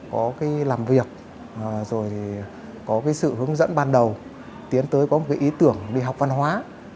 có làm việc có sự hướng dẫn ban đầu tiến tới có một ý tưởng đi học văn hóa